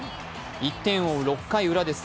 １点を追う６回ウラです。